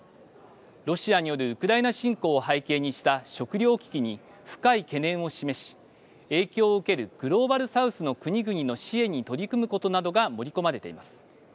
ロシアによるウクライナ侵攻を背景にした食料危機に深い懸念を示し、影響を受けるグローバル・サウスの国々の支援に取り組むことなどが盛り込まれています。